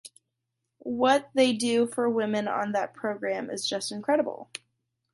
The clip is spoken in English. What they do for women on that programme is just incredible.